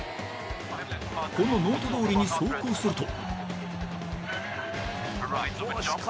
このノートどおりに走行すると。